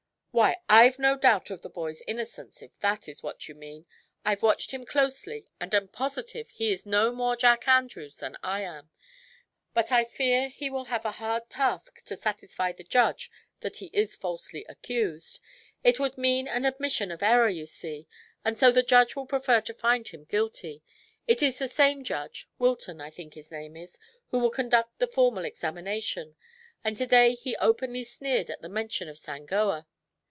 "Why, I've no doubt of the boy's innocence, if that is what you mean. I've watched him closely and am positive he is no more Jack Andrews than I am. But I fear he will have a hard task to satisfy the judge that he is falsely accused. It would be an admission of error, you see, and so the judge will prefer to find him guilty. It is this same judge Wilton, I think his name is who will conduct the formal examination, and to day he openly sneered at the mention of Sangoa.